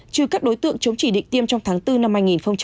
trừ các đối tượng chống chỉ định tiêm trong tháng bốn năm hai nghìn hai mươi